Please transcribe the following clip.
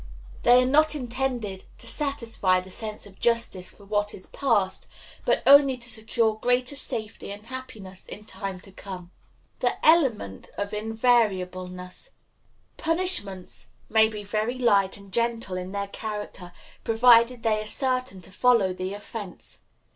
They are not intended to satisfy the sense of justice for what is past, but only to secure greater safety and happiness in time to come. The Element of Invariableness. Punishments may be very light and gentle in their character, provided they are certain to follow the offense.